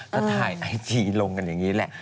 ก็ถ่ายไอจีลงกันอย่างนี้แหละ